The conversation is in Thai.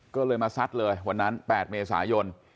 ก็เลยมาซัดเลยวันนั้น๘เมษายน